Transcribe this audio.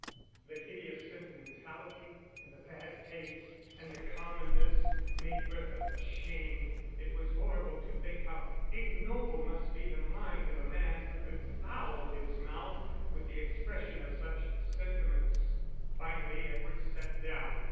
The hideous sentimentality, and the bad taste and the commonness made Bertha ashamed: it was horrible to think how ignoble must be the mind of a man who could foul his mouth with the expression of such sentiments. Finally Edward sat down.